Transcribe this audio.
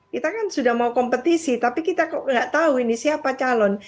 kita kan sudah mau kompetisi tapi kita kok nggak tahu ini siapa calon